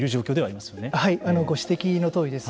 ご指摘のとおりです。